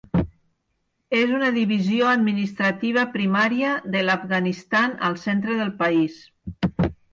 És una divisió administrativa primària de l'Afganistan al centre del país.